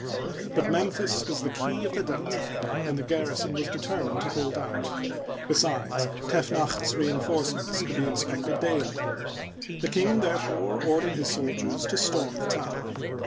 But Memphis was the key of the Delta, and the garrison was determined to hold out ; besides, Tefnacht 's re en forcements could be expected daily. The king, therefore, ordered his soldiers to storm the town.